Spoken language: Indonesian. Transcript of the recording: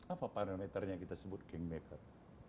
apa parameternya kita sebut kingmaker